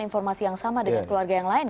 informasi yang sama dengan keluarga yang lain